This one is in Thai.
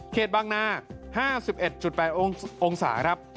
บางนา๕๑๘องศาครับ